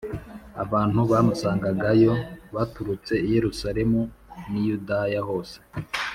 Abantu bamusangagayo baturutse i Yerusalemu n i Yudaya hose